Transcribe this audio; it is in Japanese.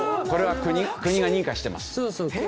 これは国が認可してます。